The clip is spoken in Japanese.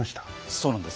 そうなんです。